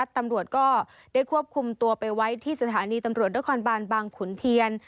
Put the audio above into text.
ตำรวจก็ได้ควบคุมตัวไปไว้ที่สถานีตำรวจนครบานบางขุนเทียน